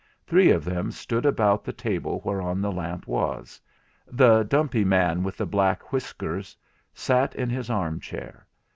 Three of them stood about the table whereon the lamp was; the dumpy man with the black whiskers sat in his arm chair.